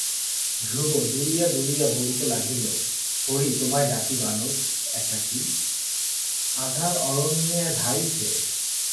ধ্রুব দুলিয়া দুলিয়া বলিতে লাগিল- হরি তোমায় ডাকি–বালক একাকী, আঁধার অরণ্যে ধাই হে।